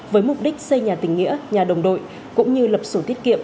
với mục đích xây nhà tình nghĩa nhà đồng đội cũng như lập sổ tiết kiệm